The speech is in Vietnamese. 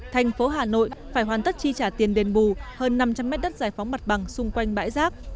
thành phố hà nội phải hoàn tất chi trả tiền đền bù hơn năm trăm linh mét đất giải phóng mặt bằng xung quanh bãi rác